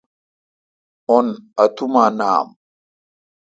اون اتوما نام۔